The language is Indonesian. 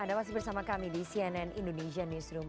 anda masih bersama kami di cnn indonesia newsroom